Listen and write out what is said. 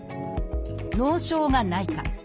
脳症がないか。